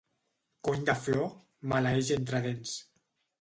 Cony de Flor! —maleeix entre dents.